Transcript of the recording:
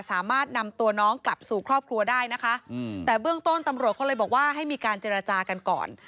สามารถนำตัวน้องกลับสู่ครอบครัวได้นะคะแต่เบื้องต้นตำรวจเขาเลยบอกว่าให้มีการเจรจากันก่อน